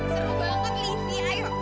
seru banget livia ayo